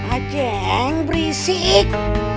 a ceng berisik